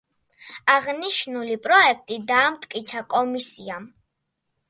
აღნიშნული პროექტი დაამტკიცა კომისიამ.